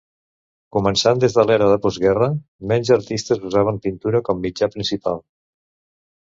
Començant des de l'era de postguerra, menys artistes usaven pintura com mitjà principal.